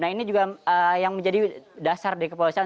nah ini juga yang menjadi dasar dari kepolisian